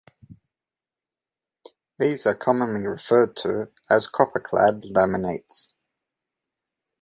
These are commonly referred to as copperclad laminates.